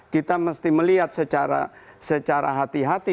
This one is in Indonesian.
kita mesti melihat secara hati hati